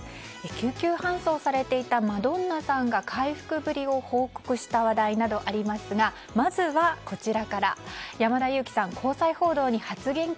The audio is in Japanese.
救急搬送されていたマドンナさんが回復ぶりを報告した話題などありますがまずはこちらから。